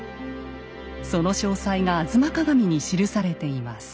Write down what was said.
その詳細が「吾妻鏡」に記されています。